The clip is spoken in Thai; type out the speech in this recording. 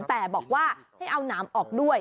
แต่บอกว่าให้เอาหนามออกด้วย